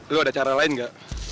lu ada cara lain gak